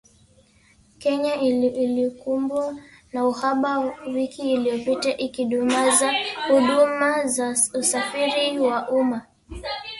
Kenya ilikumbwa na uhaba wiki iliyopita ikidumaza huduma za usafiri wa umma